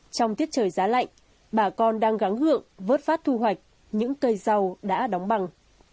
trong tiết trời giá lạnh bà con đang gắn gượng vớt phát thu hoạch những cây rau đã đóng bằng